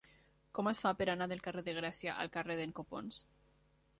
Com es fa per anar del carrer de Grècia al carrer d'en Copons?